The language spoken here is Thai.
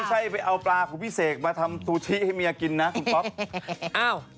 ไปเอาปลาของพี่เสกมาทำซูชิให้เมียกินนะคุณป๊อป